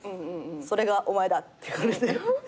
「それがお前だ」って言われて。